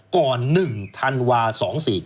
ก่อน๑ธันวาซสค๒๔๙๗